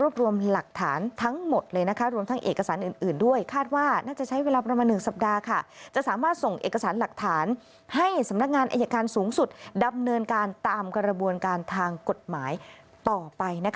สำนักงานอาจารย์สูงสุดดำเนินการตามกระบวนการทางกฎหมายต่อไป